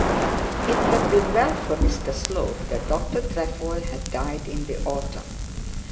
It had been well for Mr Slope that Dr Trefoil had died in the autumn.